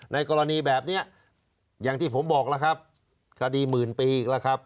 ในกรณีแบบนี้อย่างที่ผมบอกแล้วครับคดีหมื่นปีอีกแล้วครับ